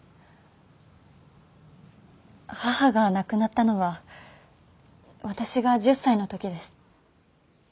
母が亡くなったのは私が１０歳の時です。